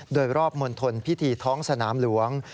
โดยรอบมณฑลพิธีท้องสนามหลวง